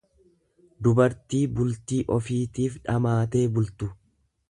dubartii bultii ofiitiif dhamaatee bultu.